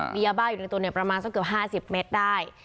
มียาบ้าอยู่ในตัวเนี่ยประมาณสักเกือบ๕๐เมตรได้